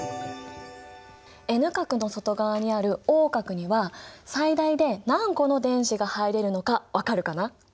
Ｎ殻の外側にあるＯ殻には最大で何個の電子が入れるのか分かるかな？